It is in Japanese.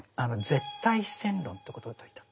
絶対非戦論ってことを説いた。